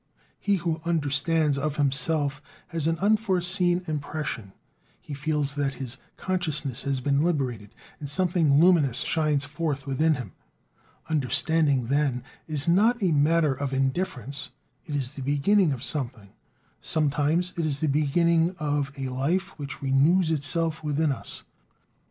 He who understands of himself has an unforeseen impression; he feels that his consciousness has been liberated, and something luminous shines forth within him. Understanding, then, is not a matter of indifference; it is the beginning of something; sometimes it is the beginning of a life which renews itself within us.